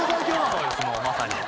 そうですもうまさに。